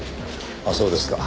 あっそうですか。